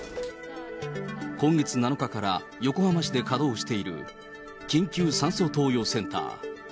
今月７日から横浜市で稼働している、緊急酸素投与センター。